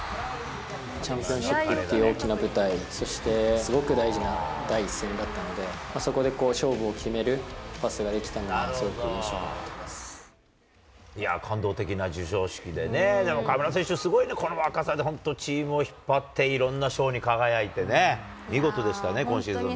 チャンピオンシップという大きな舞台、そしてすごく大事な第１戦だったので、そこで勝負を決めるパスができたのが、いやー、感動的な授賞式でね、河村選手、すごいね、この若さで本当にチームを引っ張って、いろんな賞に輝いてね、見事でしたね、今シーズンも。